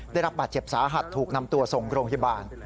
ได้รับบาดเจ็บสาหัสถูกนำตัวส่งโรงพยาบาล